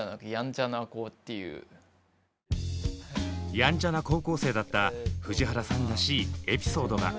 ヤンチャな高校生だった藤原さんらしいエピソードが。